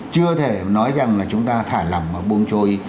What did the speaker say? chưa thể nói rằng là chúng ta thả lỏng và buông trôi